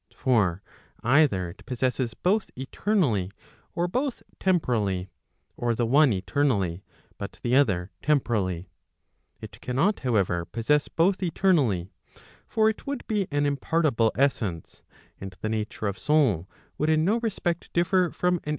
For either it possesses both eternally, or both temporally; or the one eternally, but the other temporally. It cannot however, possess both eternally: for it would be an impartible essence, and the nature of soul would in no respect differ from an.